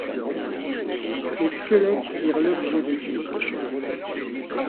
Les squelettes firent l'objet d'études.